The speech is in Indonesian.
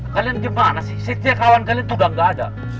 kalian gimana sih setiap kawan kalian tuh gak ada